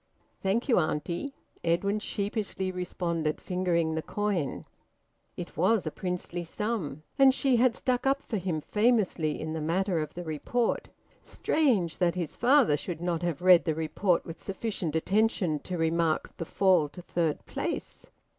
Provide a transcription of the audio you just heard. "Thank you, auntie," Edwin sheepishly responded, fingering the coin. It was a princely sum. And she had stuck up for him famously in the matter of the report. Strange that his father should not have read the report with sufficient attention to remark the fall to third place!